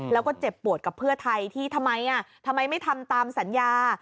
แล้วก็เจ็บปวดกับเพื่อไทยที่ทำไมทำไมไม่ทำตามสัญญา